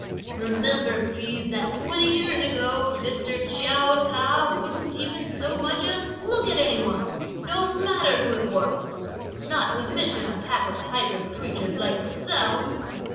Remember please, that twenty years ago, Mr. Chiao Ta wouldn't even so much as look at any one, no matter who it was; not to mention a pack of hybrid creatures like yourselves!"